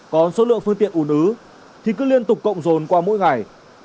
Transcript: còn số lượng phương tiện ủn ứ thì cứ liên tục cộng rồn qua mỗi ngày